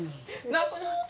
なくなった。